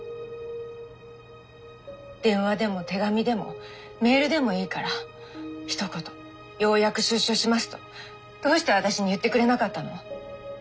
電話でも手紙でもメールでもいいからひと言「ようやく出所します」とどうして私に言ってくれなかったの？